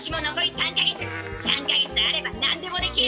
３か月あれば何でもできる！